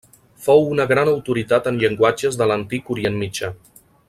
Fou una gran autoritat en llenguatges de l'antic Orient Mitjà.